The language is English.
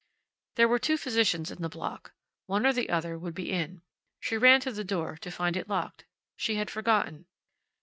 There were two physicians in the block; one or the other would be in. She ran to the door, to find it locked. She had forgotten.